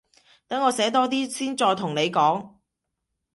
等我寫多啲先再同你講